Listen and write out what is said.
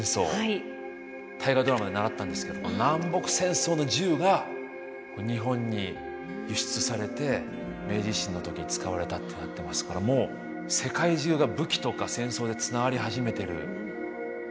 「大河ドラマ」で習ったんですけど南北戦争の銃が日本に輸出されて明治維新の時に使われたってなってますからもう世界中が武器とか戦争でつながり始めてる。